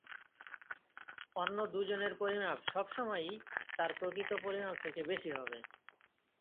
অন্য দুজনের পরিমাপ সব সময়ই তার প্রকৃত পরিমাপ থেকে বেশি হবে।